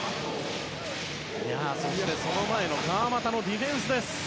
そして、その前の川真田のディフェンスです。